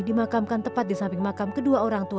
dimakamkan tepat di samping makam kedua orang tua